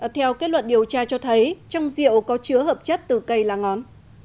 theo kết luận điều tra cho thấy trong rượu có chứa hợp chất từ cây lá ngón